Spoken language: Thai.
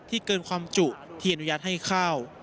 เกินความจุที่อนุญาตให้ข้าว